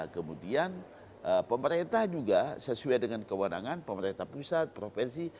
kemudian pemerintah juga sesuai dengan kewenangan pemerintah pusat provinsi